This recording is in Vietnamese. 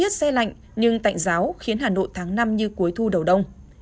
nền nhiệt tạnh giáo khiến hà nội tháng năm như cuối thu đầu đông